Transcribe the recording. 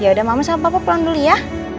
yaudah mama sama papa pulang dulu ya